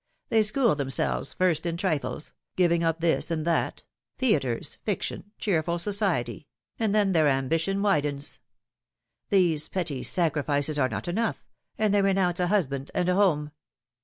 They school themselves first in trifles giving up this and that theatres, fiction, cheerful society and then their ambition widens. These petty sacrifices are not enough, and they re nounce a husband and a home.